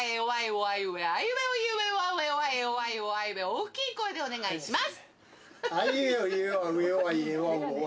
大きい声でお願いします！